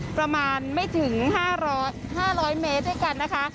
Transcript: ประมาณไม่ถึง๕๐๐เมตรด้วยกันนะคะ